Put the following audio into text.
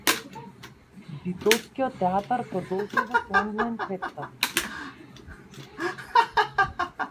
Битолскиот театар продолжува со онлајн претстави